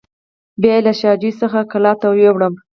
بیا یې له شا جوی څخه کلات ته یووړم.